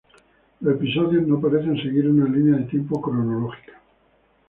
Los episodios no parecen seguir una línea de tiempo cronológica.